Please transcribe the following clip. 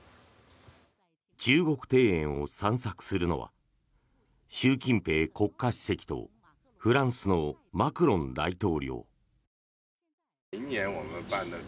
中国庭園を散策するのは習近平国家主席とフランスのマクロン大統領。